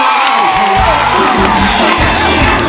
น้องน้อย